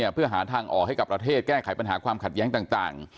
เพื่อหาทางออกให้กับประเทศแก้ไขปัญหาความขัดแย้งต่าง